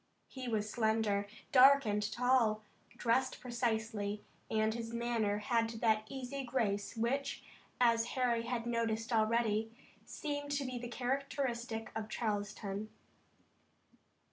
He was slender, dark and tall, dressed precisely, and his manner had that easy grace which, as Harry had noticed already, seemed to be the characteristic of Charleston.